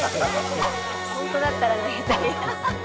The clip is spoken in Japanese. ホントだったら投げたい。